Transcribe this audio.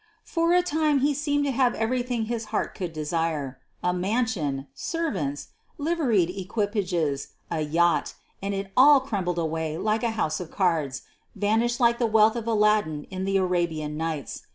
For a time he seemed to have everything Ms heart could desire — a mansion, servants, liveried equipages, a yacht ; and it all crumbled away like a house of cards, vanished like the wealth of Aladdin in the Arabian Nights.